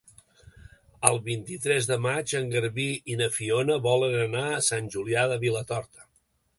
El vint-i-tres de maig en Garbí i na Fiona volen anar a Sant Julià de Vilatorta.